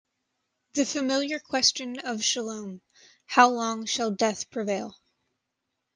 The familiar question of Salome- How long shall death prevail?